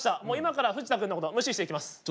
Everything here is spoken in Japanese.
もう今から藤田君のこと無視していきます。